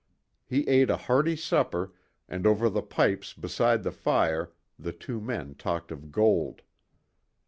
He ate a hearty supper, and over the pipes beside the fire the two men talked of gold.